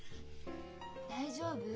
大丈夫？